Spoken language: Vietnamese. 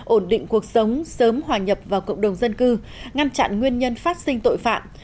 ổn định cuộc sống sớm hòa nhập vào cộng đồng dân cư ngăn chặn nguyên nhân phát sinh tội phạm